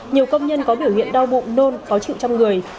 nhiều công nhân có biểu hiện đau bụng nôn khó chịu trong người